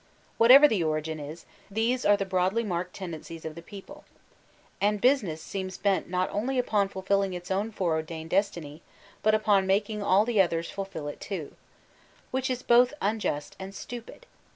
Whatever the origin is, these are the broadly marked tendencies of the people. And "Busi ness" seems bent not only upon fulfilling its own fore ordained destiny, but upon making all the others fulfill it too. >\liich is both unjust and stupid.